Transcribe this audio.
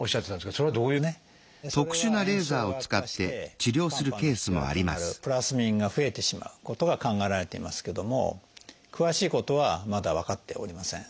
それは炎症が悪化して肝斑の引き金となるプラスミンが増えてしまうことが考えられていますけども詳しいことはまだ分かっておりません。